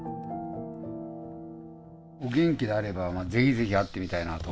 お元気であれば是非是非会ってみたいなと。